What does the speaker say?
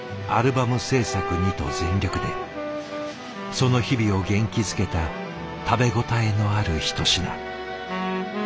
その日々を元気づけた食べ応えのある一品。